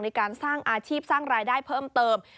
ในการสร้างอาชีพสร้างรายได้เพิ่มเติม